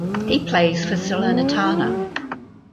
He plays for Salernitana.